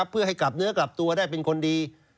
เพื่อให้กลับเนื้อกลับตัวได้เป็นคนดี